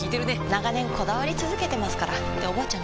長年こだわり続けてますからっておばあちゃん